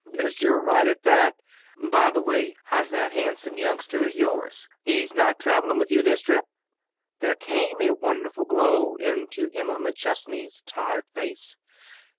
"Guess you're right, at that. By the way, how's that handsome youngster of yours? He's not traveling with you this trip?" There came a wonderful glow into Emma McChesney's tired face.